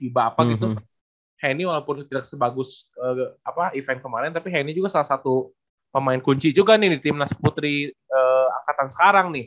bener itu juga sih